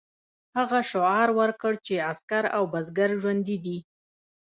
هغه شعار ورکړ چې عسکر او بزګر ژوندي دي.